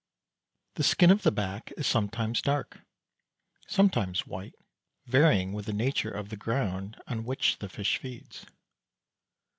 The skin of the back is sometimes dark, sometimes white, varying with the nature of the ground on which the fish feeds.